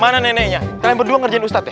mana neneknya kalian berdua ngerjain ustadz ya